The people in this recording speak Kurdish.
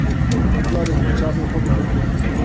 Carek din çavên xwe bigirin.